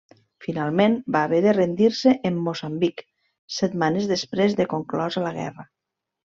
Finalment, va haver de rendir-se en Moçambic, setmanes després de conclosa la guerra.